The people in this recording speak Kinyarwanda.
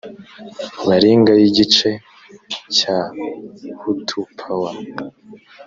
baringa y igice cya hutu pawa